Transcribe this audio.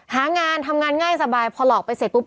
หางานทำงานง่ายสบายพอหลอกไปเสร็จปุ๊บ